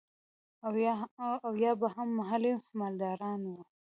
او يا به هم محلي مالداران وو.